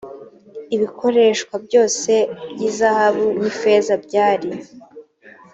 ibikoreshwa byose by izahabu n ifeza byari